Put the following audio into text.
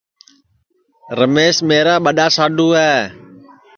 رمیش میرا ٻڈؔا ساڈوُ ہے